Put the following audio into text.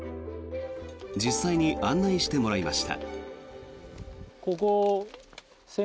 実際に案内してもらいました。